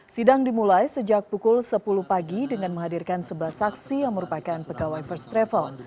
sidang dimulai sejak pukul sepuluh pagi dengan menghadirkan sebelas saksi yang merupakan pegawai first travel